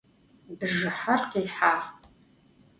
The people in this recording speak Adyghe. Bjjıher khihağ.